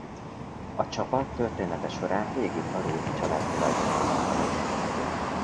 A csapat története során végig a Rooney család tulajdonában maradt.